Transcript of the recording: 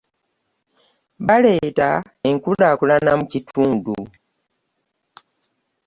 Baleeta enkulaakulana mu kitundu.